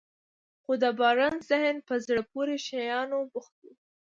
خو د بارنس ذهن په زړه پورې شيانو بوخت و.